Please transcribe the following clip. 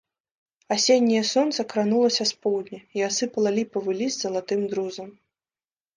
Асенняе сонца кранулася з поўдня і асыпала ліпавы ліст залатым друзам.